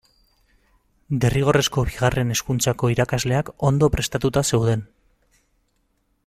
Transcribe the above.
Derrigorrezko Bigarren Hezkuntzako irakasleak ondo prestatuta zeuden.